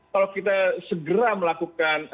kalau kita segera melakukan